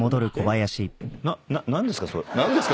「何ですか？